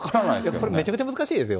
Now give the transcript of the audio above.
これ、めちゃくちゃ難しいですよ。